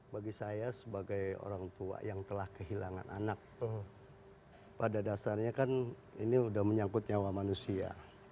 bagi saya sebagai orang tua yang telah kehilangan anak pada dasarnya kan ini sudah menyangkut nyawa manusia